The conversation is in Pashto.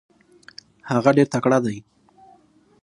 هغه ډیر تکړه دی.